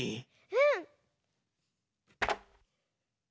うん？